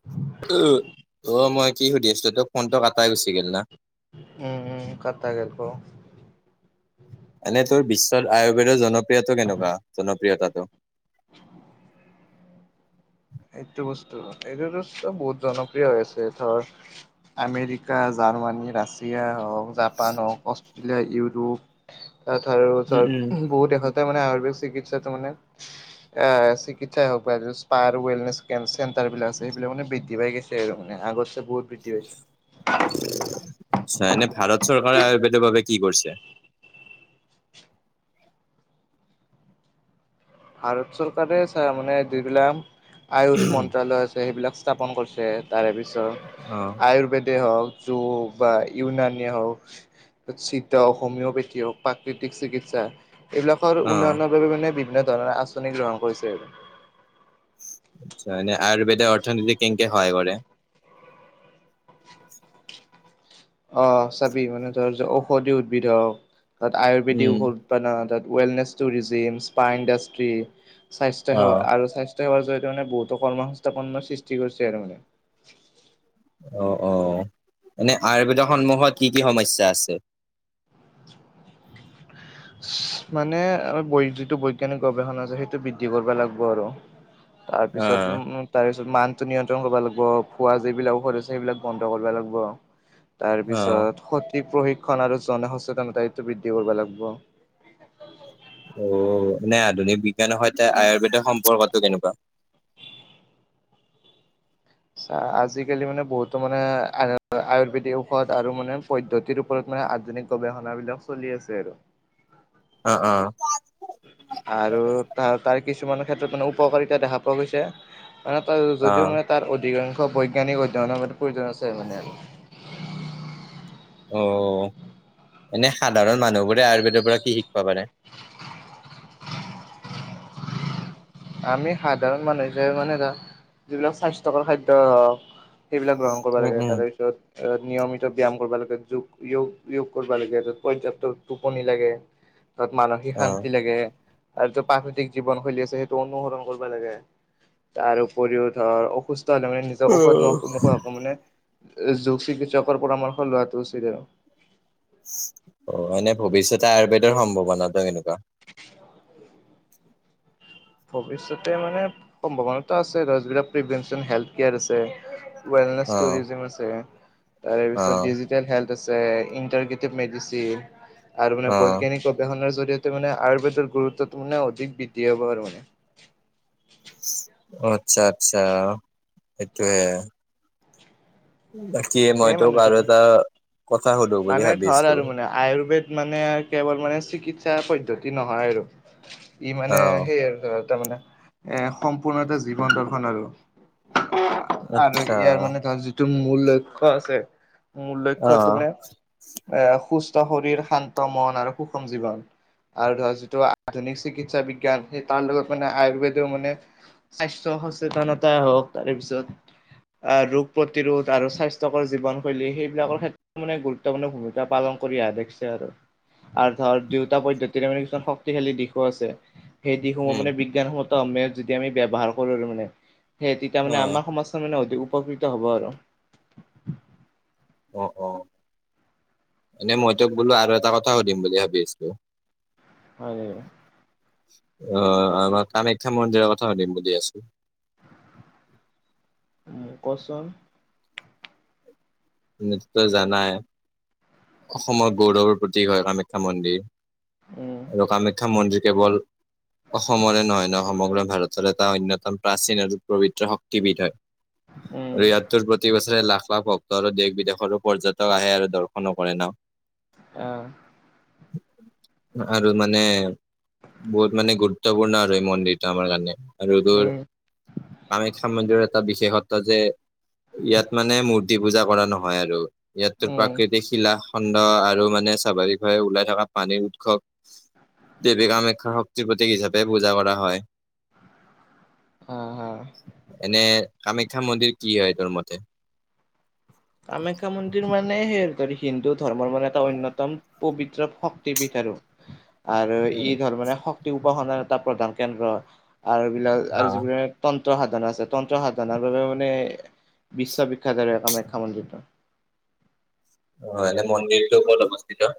[inaudible] অ', মই কি সুধি আছো তোৰ ফোনতো কাটাই গুচি গে'ল না। উম, উম, কটা গে'ল ক'। এনেই তোৰ বিশ্বত আয়ুৰ্বেদৰ জনপ্ৰিয়টো কেনেকুৱা জনপ্ৰিয়তাটো? এইটো বস্তু এইটোতো বহুত জনপ্ৰিয় হৈ আছে। ধৰ আমেৰিকা, জাৰ্মানী, ৰাছিয়া হওঁক জাপান হওঁক অষ্ট্ৰেলিয়া, ইউৰোপ তাত আৰু উম ধৰ উম বহুত দেশত মানে আয়ুৰ্বেদ চিকিৎসাটো মানে এ চিকিৎসাই হওঁক বা স্পাৰ ৱেলনেচ চেণ্টাৰবিলাক আছে সেইবিলাক মানে বৃদ্ধি পাই গৈছে আৰু মান আগতছে বহুত বৃদ্ধি পাইছে। আচ্ছা, এনে ভাৰত চৰকাৰে আয়ুৰ্বেদৰ বাবে কি কৰিছে? ভাৰত চৰকাৰে চা মানে যিবিলাক আয়ুস মন্ত্ৰালয় আছে সেইবিলাক স্থাপন কৰিছে। তাৰে অ পিছত আয়ুৰ্বেদে হওঁক জু বা ইউনানিয়া হওঁক হোমিঅ'পেথি হওঁক প্ৰাকৃতিক চিকিৎসা এইবিলাকৰ অ উন্নয়নৰ বাবে মানে বিভিন্ন ধৰণৰ আঁচনি গ্ৰহণ কৰিছে আৰু। আচ্ছা, এনে আয়ুৰ্বেদ অৰ্থনীতিত কেনেকে সহায় কৰে? অ', চাবি মানে ধৰ ঔষধি উদ্ভিদ হওঁক তাত উম আয়ুৰ্বেদিক ঔষধ তাত ৱেলনেছ টুৰিজিম, স্পা ইণ্ডাষ্ট্ৰি, অ স্বাস্থ্যসেৱা আৰু স্বাস্থ্য সেৱাৰ জৰিয়তে মানে বহুতো কৰ্ম সংস্থাপনৰ সৃষ্টি কৰিছে আৰু মানে। অ', অ', এনেই আয়ুৰ্বেদৰ সন্মুখত কি কি সমস্যা আছে? মানে আমাৰ যিটো বৈজ্ঞানিক গৱেষণা আছে সেইটো বৃদ্ধি কৰিব লাগবো আৰু। অ তাৰপিছত উম-উম তাৰ পিছত মানটো নিয়ন্ত্ৰণ কৰিবা লাগিব। খোৱা যিবিলাক ঔষধ আছে সেইবিলাক বন্ধ কৰিব লাগিব। অ তাৰপিছত সঠিক প্ৰশিক্ষণ আৰু জনসচেতনতা এইটো বৃদ্ধি কৰিব লাগিব। অ, নাই আধুনিক বিজ্ঞানৰ সৈতে আয়ুৰ্বেদৰ সম্পৰ্কটো কেনেকুৱা? চা আজিকালি মানে বহুতো মানে আ আয়ুৰ্বেদিক ঔষধ আৰু মানে পদ্ধতিৰ ওপৰত মানে আধুনিক গৱেষণা বিলাক চলি আছে আৰু। অ, অ। আৰু তাৰ, তাৰ কিছুমান ক্ষেত্ৰত মানে উপকাৰিতা দেখা পোৱা গৈছে। মানে তাৰ অ যদিও মানে তাৰ অধিকাংশ বৈজ্ঞানিক অধ্যয়নৰ মান প্ৰয়োজন আছে মানে। অঁ, এনে সাধাৰণ মানুহবোৰে আয়ুৰ্বেদৰ পৰা কি শিকিব পাৰে? আমি সাধাৰণ মানুহ হিচাপে মানে এটা যিবিলাক স্বাস্থ্যকৰ খাদ্য সেইবিলাক গ্ৰহণ কৰিব উম লাগে উম তাৰপিছত নিয়মিত ব্যায়াম কৰিব লাগে, যোগয়োগ, য়োগ কৰিব লাগে, পৰ্যাপ্ত টোপনি লাগে। তত মানসিক অ শান্তি লাগে আৰু য প্ৰাকৃতিক জীৱনশৈলী আছে সেই অনুসৰণ কৰিব লাগে তাৰ উপৰিও ধৰ অসুস্থ হলে মানে অ ঔষধ নো নোখোৱাকৈ মানে যোগ চিকিৎসকৰ পৰামৰ্শ লোৱাটো উচিত আৰু। অ, মানে ভৱিষ্যতে আয়ুৰ্বেদৰ সম্ভাৱনাতো এনেকুৱা? ভৱিষ্যতে মানে সম্ভাৱনাতো আছে ধৰ যিবিলাক প্ৰিভেন্সন হেল্প কেয়াৰ আছে। ৱেলনেছ অ টুৰিজম আছে তাৰে অ পিছত টেল হেল্থ আছে, ইন্টাৰকেটিব মেডিচিন আৰু মানে অ বৈজ্ঞানিক গৱেষণাৰ জৰিয়ত মানে আয়ুৰ্বেদৰ গুৰুত্বটো মানে অধিক বৃদ্ধি হব আৰু মানে। অ, আচ্ছা-আচ্ছা সেইটোয়ে। বাকী মই সেই তোক মানে আৰু ধৰ, এটা কথা সুধো বুলি মানে থৰ ভাবিছো আৰু মানে আয়ুৰ্বেদ মানে কেৱল মানে চিকিৎসা পদ্ধতি নহয় আৰু। ই অ মানে সেই আৰু তাৰমানে এ সম্পূৰ্ণ এটা জীৱন দৰ্শন আৰু, আৰু আচ্ছা ইয়াৰ মানে কাৰ মূল লক্ষ্য আছে, মূল অ লক্ষ্যটো মানে এ সুস্থ শৰীৰ, শান্ত মন আৰু সুষম জীৱন। আৰু ধৰ যিটো আধুনিক চিকিৎসা বিজ্ঞান সেই তাৰ লগত মানে আয়ুৰ্বেদেও মানে স্বাস্থ্য সচেতনতা হওক তাৰপিছত আহ ৰোগ প্ৰতিৰোধ আৰু স্বাস জীৱনশৈলী সেইবিলাকৰ ক্ষেত্ৰত মানে গুৰুত্বপূৰ্ণ ভূমিকা পালন কৰি অহা দেখিছে আৰু। আৰু ধৰ দুয়োটা পদ্ধতিৰে মানে কিছুমান শক্তিশালী দিশো আছে, সেই দিশসমূহ উম মানে বিজ্ঞানসন্মত যদি আমি ব্যৱহাৰ কৰোঁ মানে সেই তেতিয়া অ মানে আমাৰ সমাজাৰ মানে উপকৃত হ'ব আৰু। অ, অ। এনে মই তোক বোলো আৰু এটা কথা সুধিম বুলি ভাবি আছিলো। হয় নে? অ, আমাৰ কামাখ্যা মন্দিৰৰ কথা সুধিম বুলি আছো। উম, কচোন। তই জানাই অসমৰ গৌৰৱৰ প্ৰতীক হয় কামাখ্যা মন্দিৰ। উম, আৰু কামাখ্যা মন্দিৰ কেৱল অসমৰে নহয় ন সমগ্ৰ ভাৰতৰে এটা অন্যতম প্ৰাচীন আৰু পবিত্ৰ শক্তিপীঠ হয়। উম, আৰু ইয়াত তোৰ প্ৰতি বছৰে লাখ-লাখ ভক দেশ বিদেশৰো পৰ্যটক আহে আৰু দৰ্শনো কৰে ন। অ'। আৰু মানে বহুত মানে গুৰুত্বপূৰ্ণ আৰু এই মন্দিৰটো আমাৰ কাৰণে। ৰ'দৰ উম, কামাখ্যা মন্দিৰৰ এটা বিশেষত্ব যে ইয়াত মানে মূৰ্তি পূজা কৰা নহয় আৰু ইয়াত উম, প্ৰাকৃতিক শিলা খণ্ড আৰু মানে চাবাৰি ঘই ওলাই থকা পানীৰ উৎসৱ দেৱী কামাখ্যাৰ শক্তিৰ প্ৰতীক হিচাপে পূজা কৰা হয়। অ', হ। এনে কামাখ্যা মন্দিৰ কি হয় তোৰ মতে? কামাখ্যা মন্দিৰ মানে সেই ধৰ হিন্দু ধৰ্মৰ মানে এটা অন্যতম পবিত্ৰত শক্তিপীঠ আৰু। আৰু ই ধৰ মানে শক্তি উপাসনাৰ এটা প্ৰধান কেন্দ্ৰ আৰু এইবিলাক আৰু অ যিবিলাক তন্ত্ৰ সাধন আছে, তন্ত্ৰ সাধনৰ বাবে মানে বিশ্ববিখ্যাত আৰু এই কামাখ্যা মন্দিৰটো। অ' এনে মন্দিৰটো ক'ত অৱস্থিত?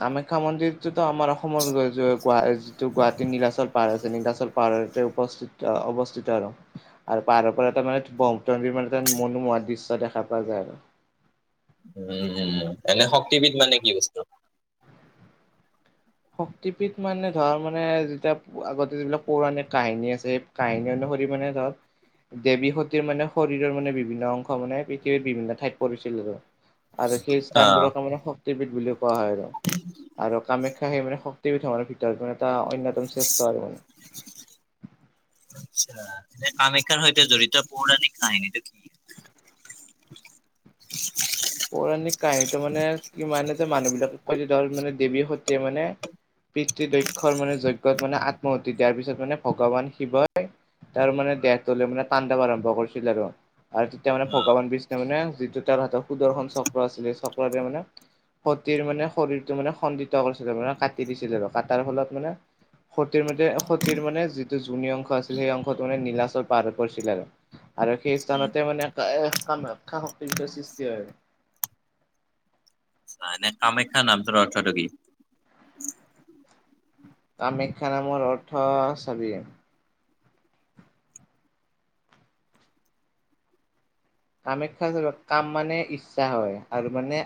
কামাখ্যা মন্দিৰটোতো আমাৰ অসমৰ যিটো গুৱাহাটীৰ নীলাচল পাহাৰ আছে, নীলাচল পাহাৰতে উপস্থিত, অৱস্থিত আৰু। আৰু পাহাৰৰপৰা এটা মানে ব্ৰহ্মপুত্ৰ নদীৰ মানে এটা মনোমোহা দৃশ্য দেখা পোৱা যায় আৰু। উম, উম, এনে শক্তিপীঠ মানে কি বস্তু? শক্তিপীঠ মানে ধৰ মানে যেতিয়া আগতে যিবিলাক পৌৰাণিক কাহিনী আছে কাহিনী অনুসৰি মানে ধৰ। দেৱী সতীৰ মানে শৰীৰৰ মানে বিভিন্ন অংশ মানে পৃথিৱীৰ বিভিন্ন ঠাইত পৰিছিল আৰু। আৰু সেই অ স্থানবোৰক তাৰমানে শক্তিপীঠ বুলি কোৱা হয় আৰু কামাখ্যা সেই মানে শক্তিপীঠ আমাৰ ভিতৰত মানে এটা অন্যতম শ্ৰেষ্ঠ আৰু মানে। আচ্ছা। এ, কামাখ্যাৰ সৈতে জড়িত পৌৰাণিক কাহিনীটো কি? [inaudible] পৌৰাণিক কাহিনীটো মানে কিমানে যে মানুহবিলাকক কয় যে ধল মানে দেৱী সতীয়ে মানে পিতৃ দক্ষৰ মানে যজ্ঞত মানে আত্মহতি দিয়াৰ পিছত মানে ভগৱান শিৱই তাৰমানে দেহটোলৈ মানে তাণ্ডৱ আৰম্ভ কৰিছিল আৰু। আৰু তেতিয়া মানে ভগৱান বিষ্ণু মানে যিটো তাৰ হাতত সুদৰ্শন চক্ৰ আছিলে চক্ৰটোৱে মানে সতীৰ মানে শৰীৰটো মানে খণ্ডিত কৰিছিলে মানে কাটি দিছিলে, আৰু কাটাৰ ফলত মানে সতীৰ মতে সতীৰ মানে যিটো যোনী অংশ আছিল সেই অংশটো মানে নীলাচল পাহাৰত পৰিছিল আৰু। আৰু সেই স্থানতে মানে এহ, কামাখ্যা শক্তিৰ সৃষ্টি হয়। নাই, এনে কামাখ্যা নামটোৰ অৰ্থটো কি? কামাখ্যা নামৰ অৰ্থ চাবি কামাখ্যা কাম মানে ইচ্ছা হয় আৰু মানে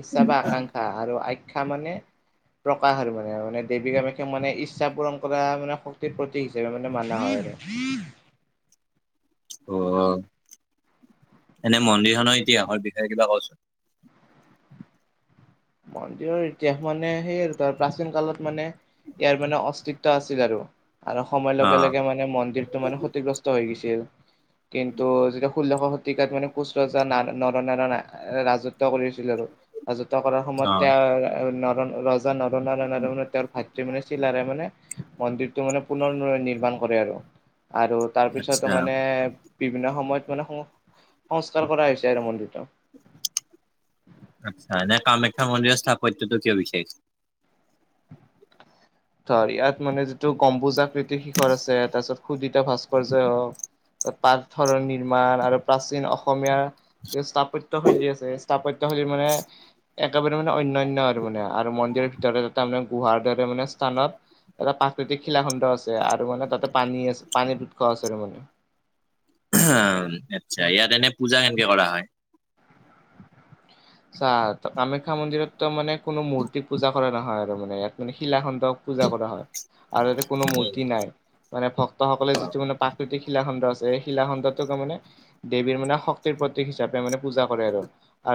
ইচ্ছা বা আকাংক্ষা আৰু আ ক্ষা মানে প্ৰকাশ আৰু মানে আৰু দেৱী কামাখ্যা মানে ইচ্ছা পূৰণ কৰা মানে শক্তিৰ প্ৰতি প্ৰতিক হিচাপে মানে মানা হয় আৰু। অ', অ'। এনে মন্দিৰখনৰ ইতিহাসৰ বিষয়ে কিবা কচোন? মন্দিৰৰ ইতিহাস মানে সেই আৰু প্ৰাচীন কালত মানে ইয়াৰ মানে অস্তিত্ব আছিল আৰু। আৰু সময়ৰ অ লগে লগে মানে মন্দিৰটো মানে ক্ষতিগ্ৰস্ত হৈ গৈছিল। কিন্তু যেতিয়া ষোল্লশ শ তিকাত মানে কোঁচ ৰজা না-নৰনাৰায়ণে ৰাজত্ব কৰিছিল আৰু ৰাজত্ব কৰা অ সময়ত তেওঁ নৰ-ৰজা নৰনাৰণ আৰু মানে তেওঁৰ ভাতৃ মানে চিলাৰাই মানে মন্দিৰটো মানে পুনৰ নিৰ্মাণ কৰে আৰু, আৰু তাৰপিছতো আচ্ছা মানে বিভিন্ন সময়ত মানে সং সংস্কাৰ কৰা হৈছে আৰু মন্দিৰটো। আচ্ছা, এনে কামাখ্যা মন্দিৰৰ স্থাপত্যটো কিয় বিচাৰিছে? ধৰ ইয়াত মানে যিটো গম্বুজাকৃতিৰ শিখৰ আছে তাৰপিছত সুদিতা ভাস্কৰ্য হওক পাৰ্থৰৰ নিৰ্মাণ আৰু প্ৰাচীন অসমীয়া স্থাপত্য শৈলী আছে, স্থাপত্য শৈলী মানে একেবাৰে মানে অন্যান্য আৰু মানে আৰু মন্দিৰৰ ভিতৰত তাৰমানে গুহাৰ দৰে মানে স্থানত এটা প্ৰাকৃতিক শিলাখণ্ড আছে আৰু মানে তাতে পানী আছে, পানী উৎস আছে আৰু মানে। আচ্ছা, ইয়াত এনে পূজা কেনেকে কৰা হয়? চা কামাখ্যা মন্দিৰত তোৰ মানে কোনো মূৰ্তি পূজা কৰা নহয় আৰু মানে ইয়াত মানে শিলাখণ্ডক পূজা কৰা হয়। আৰু ইয়াতে কোনো মূৰ্তি নাই। মানে ভক্তসকলে যিটো মানে প্ৰাকৃতিক শিলাখণ্ড আছে, সেই শিলাখণ্ডটোকে মানে দেৱীৰ মানে শক্তিৰ প্ৰতীক হিচাপে মানে পূজা কৰে আৰু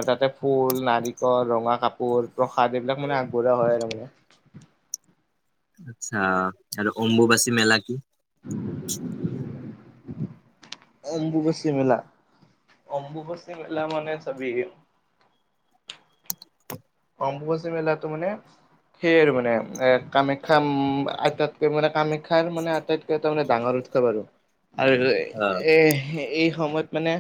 তাতে ফুল, নাৰিকল, ৰঙা কাপোৰ, প্ৰসাদ এইবিলাক মানে আগবঢ়োৱা হয় আৰু মানে। আচ্ছা, আৰু অম্বুবাচী মেলা কি? [inaudible] অম্বুবচি মেলা, অম্বুবচি মেলা মানে চাবি অম্বুবাচি মেলাটো মানে সেই আৰু মানে এ, কামাখ্যা আটাইতকৈ মানে কামাখ্যাৰ মানে আটাইতকৈ তাৰমানে ডাঙৰ উ উৎসৱ আৰু। আৰ এ, এই সময়ত মানে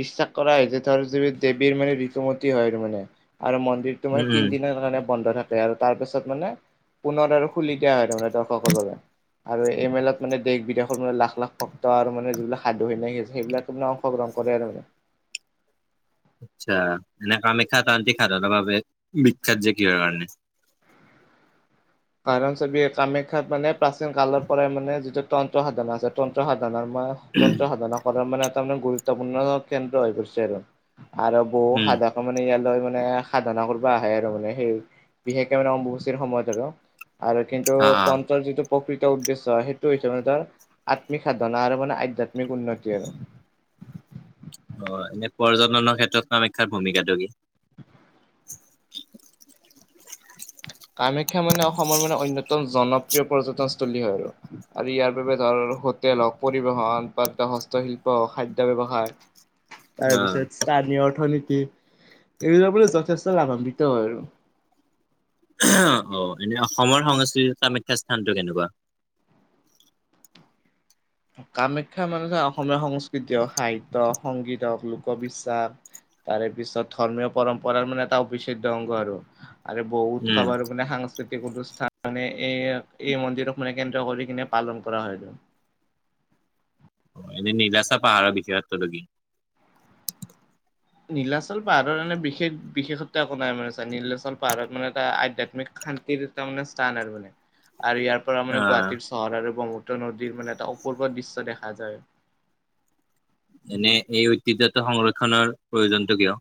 বিশ্বাস কৰা হয় যে ধৰ যে দেৱীৰ মানে ঋতুমতী হয় আৰু মানে, আৰু মন্দিৰ তোমাৰ উম উম তিন দিনৰ কাৰণে বন্ধ থাকে আৰু তাৰ পিছত মানে পোন্ধৰত আৰু খুলি দিয়া হয় তাৰে দৰ্শকৰ বাবে। আৰু এই মেলাত মানে দেশ বিদেশৰ মানে লাখ লাখ ভক্ত আৰু মানে যিবিলাক সাধু নাকি আছে সেইবিলাক সিদিনা অংশগ্ৰহণ কৰে আৰু মানে। আচ্ছা, এনে কামাখ্যাত আনকি সাধনৰ বাবে বিখ্যাত যে কিহৰ কাৰণে? কাৰণ চাবি কামাখ্যাত মানে প্ৰাচীন কালৰ পৰাই মানে যিটো তন্ত্ৰ সাধনা আছে তন্ত্ৰ সাধনৰ ম তন্ত্ৰ সাধনা কৰাৰ মানে এটা মানে গুৰুত্বপূৰ্ণ কেন্দ্ৰ হৈ পৰিছে আৰু। আৰু বহু উম সাধ মানে ইয়ালৈ মানে সাধনা কৰিব আহে আৰু মানে সেই বিশেষকে মানে অম্বুবাচীৰ সময়ত আৰু। আৰু কিন্তু অ অ তন্ত্ৰৰ যিটো প্ৰকৃত উদ্দেশ্য সেইটো হৈছে মানে ধৰ আত্মিক সাধনা আৰু মানে আধ্যয়াত্মিক উন্নতি আৰু। অ' এনে পৰ্যটনৰ ক্ষেত্ৰত কামাখ্যাৰ ভূমিকাটো কি? কামাখ্যা মানে অসমৰ মানে অন্যতম জনপ্ৰিয় পৰ্যটনস্থলী হয় আৰু। আৰু ইয়াৰ বাবে ধৰ হোটেল হওক, পৰিবহন, হস্তশিল্প হওক খাদ্য ব্যৱসায় [inaudible] অ তাৰপিছত স্থানীয় অৰ্থনীতি, এইবিলাক মানে যথেষ্ট লাভান্বিত হয় আৰু। অ' এনে অসমৰ সংস্কৃতিত কামাখ্যাৰ স্থানটো কেনেকুৱা? কামাখ্যা মানুহ যে অসমীয়া সংস্কৃতি হওক, সাহিত্য সংগীত হওক, লোকবিশ্বাস তাৰেপিছত ধৰ্মীয় পৰম্পৰাৰ মানে এটা অবিচ্ছেদ্য অংগ আৰু। আৰু বহু উম উৎসৱ আৰু মানে সাং কৃতিক অনুষ্ঠান মানে এই, এই মন্দিৰক মানে কেন্দ্ৰ কৰি কিনে পালন কৰা হয়। অ' এনে নীলাচা পাহাৰৰ বিশেষত্ব কি? নীলাচল পাহাৰৰ এনে বিশেষ বিশেষত্ব একো নাই, মানে চা নীলাচল পাহাৰত মানে এটা আধ্যাত্মিক শান্তিৰ মানে স্থান আৰু মান, আৰু ইয়াৰ পৰা অ মানে গুৱাহাটীৰ চহৰ আৰু ব্ৰহ্মপত্ৰ নদীৰ মানে এটা অপূৰ্ব দৃশ্য দেখা যায় আৰু। এনে এই ঐতিহ্যটো সংৰক্ষনৰ প্ৰয়োজনটো কিয়?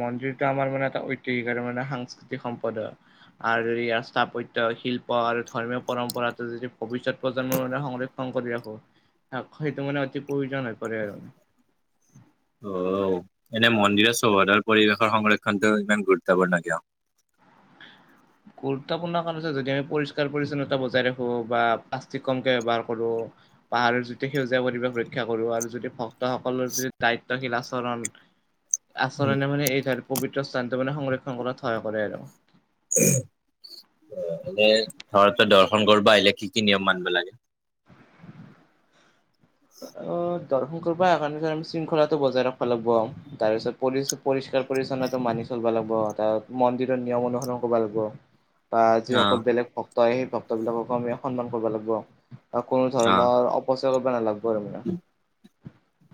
মন্দিৰটো আমাৰ মানে এটা ঐতিহাসিক আৰু মানে সাংস্কৃতিক সম্পদ হয়। আৰু এই আস্থা, পত্যই, শিল্প আৰু ধৰ্মীয় পৰম্পৰাটো যদি ভৱিষ্যত প্ৰজন্মৰ মানে সংৰক্ষ সং কৰি ৰাখো, সেইটো মানে অতি প্ৰয়োজন হৈ পৰে আৰু। অ' এনে মন্দিৰৰ চৌহদৰ পৰিৱেশৰ সংৰক্ষণটো ইমান গুৰুত্বপূৰ্ণ কিয়? গুৰুত্বপূৰ্ণ কাৰণ যদি আমি পৰিষ্কাৰ পৰিচ্ছন্নতা বজাই ৰাখো বা প্লাষ্টিক কমকে ব্যৱহাৰ কৰোঁ পাহাৰৰ যতি সেউজীয়া পৰিৱেশ ৰক্ষা কৰোঁ আৰু যদি ভক্তসকলৰ যদি দায়িত্বশীল আচৰণ আচৰণে মানে এই পৱিত্ৰ স্থানটো মানে সংৰক্ষণ কৰাত সহায় কৰে আৰু। অ' এনে ঘৰতে দৰ্শন কৰিব আহিলে কি কি নিয়ম মানিব লাগে? অ' দৰ্শন কৰিব আহা কাৰণে শৃংখলাটো বজাই ৰাখব লাগব। তাৰপিছত পৰি-পৰিষ্কাৰ পৰিছন্নতাটো মানি চলা লাগব, তাৰ মন্দিৰৰ নিয়ম অনুসৰন কৰিব লাগিব। [inaudible] বা অ যিসকল বেলেগ ভক্ত হয় সেই ভক্তবিলাককো আমি সন্মান কৰিব লাগিব বা কোনো ধৰণৰ পচৰ কৰিব নালাগিব আৰু মানে।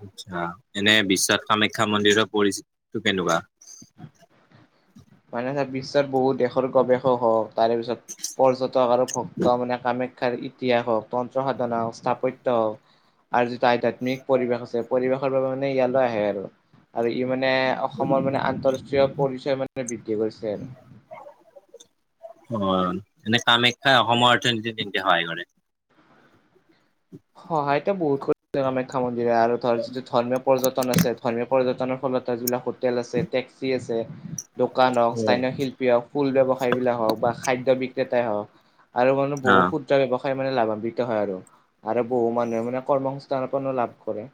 আচ্ছা এনে বিশ্বত কামাখ্যা মন্দিৰৰ পৰিস্থিতিটো কেনেকুৱা? মানে বিশ্বৰ বহুত দেশৰ গৱেষক হওক, তাৰেপিছত পৰ্যটক আৰু ভক্ত মানে কামা শিক্ষাৰ ইতিহাস হওক, তন্ত্ৰ সাধনা হওক, স্থাপত্য হওক আৰু যিটো আধ্যয়াত্মিক পৰিৱেশ আছে, পৰিৱেশৰ বাবে মানে ইয়ালৈ আহে আৰু। আৰু ই মানে অসমৰ মানে আন্তৰাষ্ট্ৰীয় পৰিচয় মানে বৃদ্ধি কৰিছে আৰু। অ' এনে কামাখ্যাই অসমৰ অৰ্থনীতিত কেনকে সহায় কৰে? [inaudible] সহায়তো বহুত [unintelligible] শিক্ষা মন্দিৰে আৰু ধৰ যিটো ধৰ্মীয় পৰ্যটন আছে। ধৰ্মীয় পৰ্যটনৰ ফলত যিবিলাক হোটেল আছে টেক্সি আছে দোকান হওঁক স্থানীয় শিল্পী হওঁক ফুল ব্যৱসায়বিলাক হওঁক বা খাদ্য বিক্ৰেতাই হওঁক আৰু মানে অ বহু ক্ষুদ্ৰ ব্যৱসায় মানে লাভান্বিত হয় আৰু। আৰু বহু মানুহে মানে কৰ্ম সংস্থাপনো লাভ কৰে।